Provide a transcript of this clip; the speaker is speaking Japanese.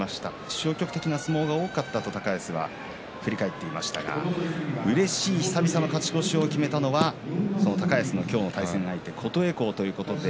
消極的な相撲が多かったと高安振り返っていましたがうれしい久々の勝ち越しを決めたのは高安の今日の対戦相手琴恵光ということで。